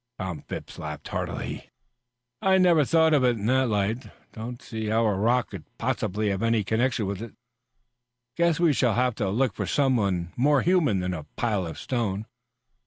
Tom Phipps laughed heartily. "I never thought of it in that light. Don't see how a rock could possibly have any connection with it. Guess we shall have to look for something more human than a pile of stone."